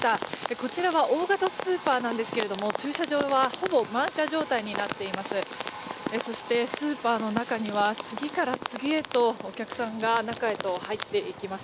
こちらは大型スーパーなんですが駐車場はほぼ満車状態になっています。